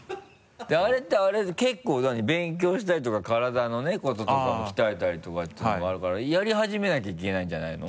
であれって結構何？勉強したりとか体のねこととかも鍛えたりとかっていうのがあるからやり始めなきゃいけないんじゃないの？